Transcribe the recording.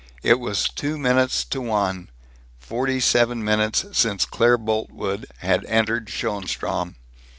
It was two minutes to one forty seven minutes since Claire Boltwood had entered Schoenstrom.